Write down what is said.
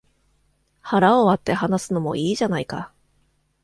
腹を割って話すのもいいじゃないか